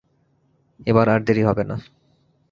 এবার আর দেরি হবে না।